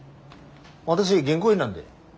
私銀行員なんで。